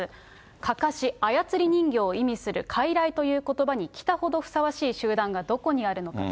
かかし、操り人形を意味する、かいらいということばに、北ほどふさわしい集団がどこにあるのかと。